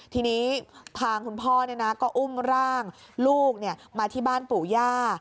ทีนี้ทางคุณพ่อก็อุ้มร่างลูกมาที่บ้านปู่ย่า